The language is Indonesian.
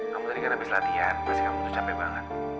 kamu tadi kan habis latihan pasti kamu tuh capek banget